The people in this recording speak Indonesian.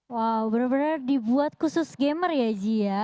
wow benar benar dibuat khusus gamer ya ji ya